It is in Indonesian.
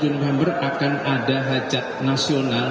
tujuh november akan ada hajat nasional